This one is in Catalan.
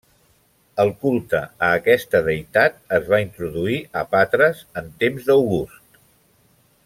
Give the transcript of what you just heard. El culte a aquesta deïtat es va introduir a Patres en temps d'August.